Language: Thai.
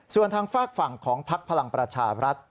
ส่วนทางฝากฝั่งของพักพลังประชาบรัฐ